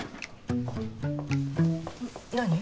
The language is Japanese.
何？